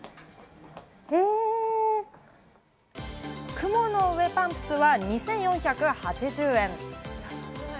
雲の上パンプスは２４８０円。